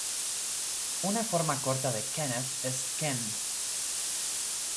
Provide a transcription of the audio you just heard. Una forma corta de "Kenneth" es "Ken".